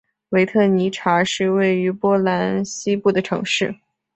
维特尼察是位于波兰西部的城市。